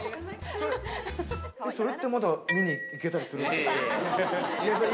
それってまだみに行けたりするんですか？